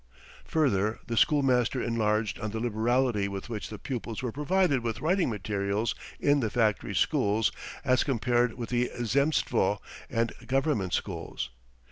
..." Further the schoolmaster enlarged on the liberality with which the pupils were provided with writing materials in the factory schools as compared with the Zemstvo and Government schools.